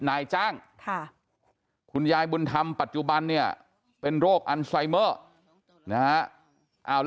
นายจ้างคุณยายบุญธรรมปัจจุบันเนี่ยเป็นโรคอันไซเมอร์นะฮะ